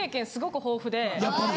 やっぱり。